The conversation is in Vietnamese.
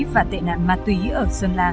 và tệ nạn ma túy ở sơn la